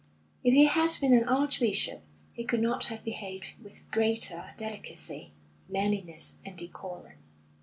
If he had been an archbishop, he could not have behaved with greater delicacy, manliness, and decorum.